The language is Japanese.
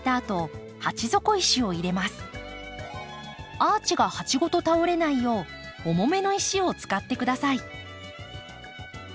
アーチが鉢ごと倒れないよう重めの石を使ってください。